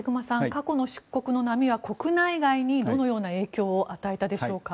過去の出国の波は国内外に、どのような影響を与えたでしょうか。